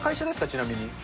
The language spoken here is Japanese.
ちなみに。